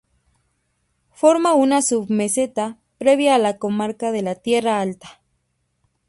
Forma una submeseta previa a la comarca de la Tierra Alta.